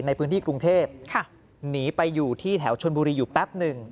ในพื้นที่กรุงเทพหนีไปอยู่ที่แถวชนบุรีอยู่แป๊บหนึ่ง